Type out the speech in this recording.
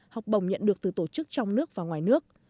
học bổng nhận được từ tổ chức trong nước và ngoài nước